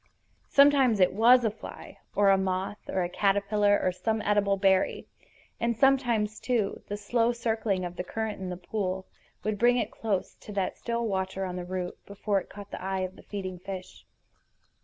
Sometimes it was a fly, or a moth, or a caterpillar or some edible berry. And sometimes, too, the slow circling of the current in the pool would bring it close to that still watcher on the root before it caught the eye of the feeding fish.